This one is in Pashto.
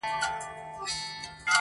o ډيره مننه مهربان شاعره.